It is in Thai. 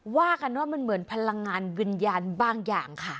ว่ากันว่ามันเหมือนพลังงานวิญญาณบางอย่างค่ะ